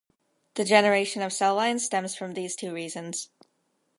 The generation of cell lines stems from these two reasons.